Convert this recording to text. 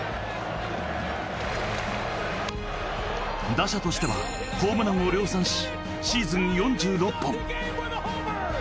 打者としてはホームランを量産しシーズン４６本。